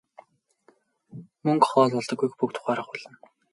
Мөнгө хоол болдоггүйг бүгд ухаарах болно.